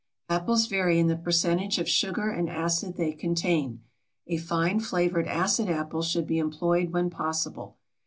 Apples vary in the percentage of sugar and acid they contain. A fine flavored acid apple should be employed when possible.